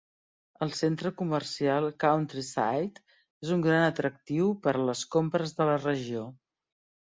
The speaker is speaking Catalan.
El centre comercial Countryside és un gran atractiu per a les compres de la regió.